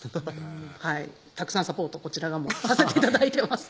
はいたくさんサポートこちら側もさせて頂いてます